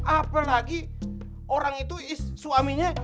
apalagi orang itu suaminya